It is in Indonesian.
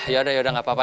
yaudah yaudah gapapa